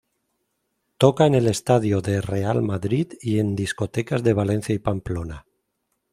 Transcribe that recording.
Toca en el estadio de Real Madrid, y en discotecas de Valencia y Pamplona.